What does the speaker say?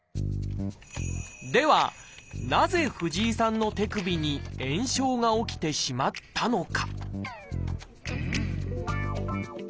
ではなぜ藤井さんの手首に炎症が起きてしまったのか？